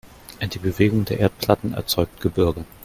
Die Bewegung der Erdplatten erzeugt Gebirge.